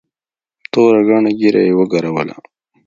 توره گڼه ږيره يې وګروله.